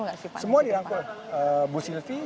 nggak sih pak semua dirangkul bu sylvie